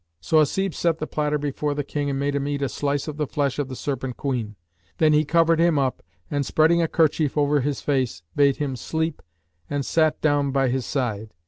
So Hasib set the platter before the King and made him eat a slice of the flesh of the Serpent queen. Then he covered him up and, spreading a kerchief over his face, bade him sleep and sat down by his side.